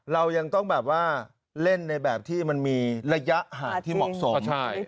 เรายังต้องแบบว่าเล่นในแบบที่มันมีระยะห่างที่เหมาะสม